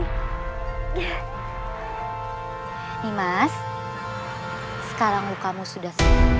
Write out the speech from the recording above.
nimas sekarang kamu sudah